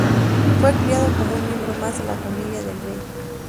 Fue criado como un miembro más de la familia del bey.